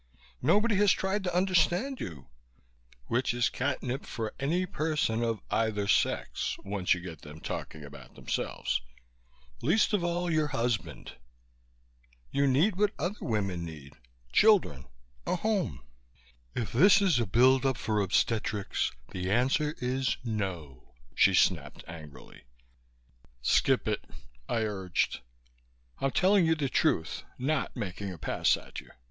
Nobody has tried to understand you" which is catnip for any person of either sex, once you get them talking about themselves "least of all your husband. You need what other women need children, a home...." "If this is a build up for obstetrics, the answer is 'No!'" she snapped angrily. "Skip it!" I urged. "I'm telling you the truth, not making a pass at you.